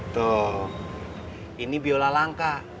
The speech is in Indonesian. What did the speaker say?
tuh ini biola langka